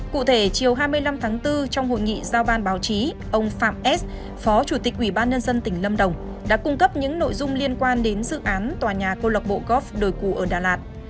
cụ thể chiều hai mươi năm tháng bốn trong hội nghị giao ban báo chí ông phạm s phó chủ tịch ủy ban nhân dân tỉnh lâm đồng đã cung cấp những nội dung liên quan đến dự án tòa nhà câu lạc bộ góp đồi cù ở đà lạt